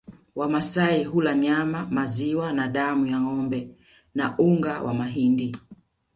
Wamasai hula nyama maziwa na damu ya ngombe na unga wa mahindi